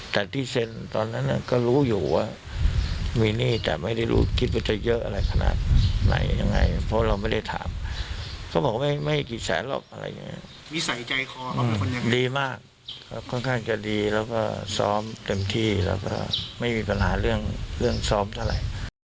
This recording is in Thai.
แต่ที่เซ็นตอนนั้นก็รู้อยู่ว่ามีหนี้แต่ไม่ได้รู้คิดว่าจะเยอะอะไรขนาดไหนยังไงเพราะเราไม่ได้ถามเขาบอกว่าไม่กี่แสนหรอกอะไรอย่างนี้นิสัยใจคอของคุณยังไงดีมากครับค่อนข้างจะดีแล้วก็ซ้อมเต็มที่แล้วก็ไม่มีปัญหาเรื่องซ้อมเท่าไหร่